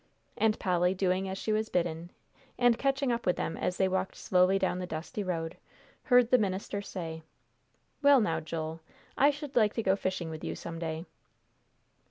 And Polly, doing as she was bidden, and catching up with them as they walked slowly down the dusty road, heard the minister say, "Well now, Joel, I should like to go fishing with you some day."